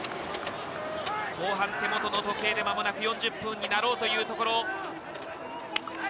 後半、手元の時計で間もなく４０分になろうというところ。